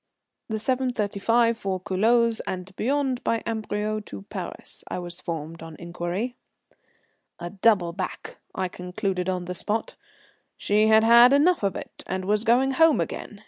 "The 7.35 for Culoz and beyond by Amberieu to Paris," I was informed on inquiry. "A double back," I concluded on the spot. She had had enough of it, and was going home again.